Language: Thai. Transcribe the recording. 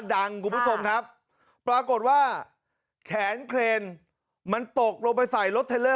คุณผู้ชมครับปรากฏว่าแขนเครนมันตกลงไปใส่รถเทลเลอร์